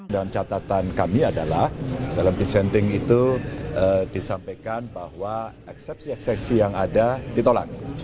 dan catatan kami adalah dalam dissenting itu disampaikan bahwa eksepsi eksepsi yang ada ditolak